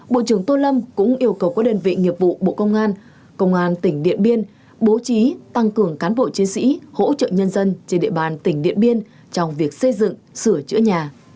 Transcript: bộ trưởng tô lâm cũng yêu cầu các đơn vị nghiệp vụ bộ công an công an tỉnh điện biên bố trí tăng cường cán bộ chiến sĩ hỗ trợ nhân dân trên địa bàn tỉnh điện biên trong việc xây dựng sửa chữa nhà